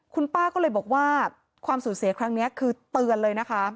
คุณป้าก็เลยบอกว่าความสูญเสียครั้งนี้คือเตือนเลยนะคะ